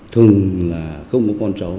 thường là không có con cháu